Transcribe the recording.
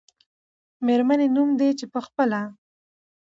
میرمنې نوم دی، چې په خپله